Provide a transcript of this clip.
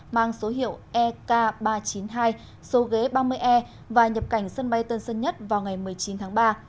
mang số hiệu ek ba trăm chín mươi hai số ghế ba mươi e và nhập cảnh sân bay tân sơn nhất vào ngày một mươi chín tháng ba